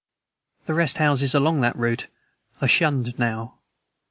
The rest houses along that route are shunned now.